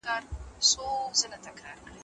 شاګرد ته اجازه ده چي په پښتو پوښتنه وکړي.